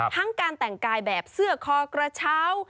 ทั้งการแต่งกายแบบเสื้อคอกระเช้า